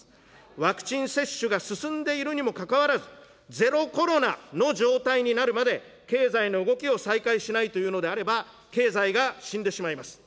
ワクチン接種が進んでいるにもかかわらず、ゼロコロナの状態になるまで、経済の動きを再開しないというのであれば、経済が死んでしまいます。